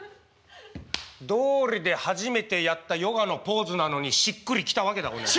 どうりで初めてやったヨガのポーズなのにしっくりきたわけだこの野郎。